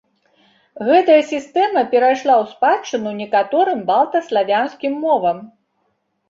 Гэтая сістэма перайшла ў спадчыну некаторым балта-славянскім мовам.